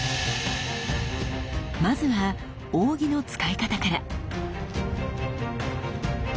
まずは扇の使い方から。